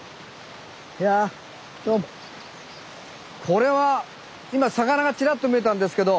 これは今魚がちらっと見えたんですけど。